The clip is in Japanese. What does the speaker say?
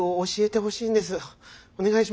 お願いします！